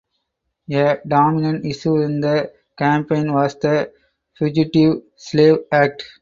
A dominant issue in the campaign was the Fugitive Slave Act.